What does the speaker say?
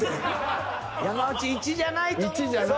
山内１じゃないと思うがな。